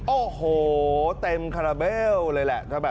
โอ้โหเต็มคาราเบลเลยแหละ